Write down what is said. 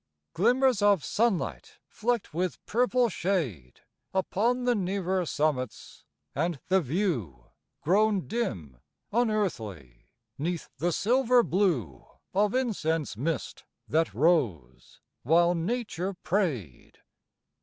Glimmers of sunlight flecked with purple shade Upon the nearer summits, and the view Grown dim, unearthly, 'neath the silver blue Of incense mist, that rose while nature prayed.